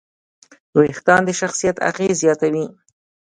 وېښتيان د شخصیت اغېز زیاتوي.